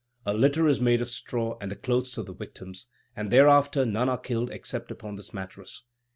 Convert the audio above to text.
A litter is made of straw and the clothes of the victims, and thereafter none are killed except upon this mattress.